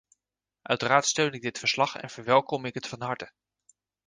Uiteraard steun ik dit verslag en verwelkom ik het van harte.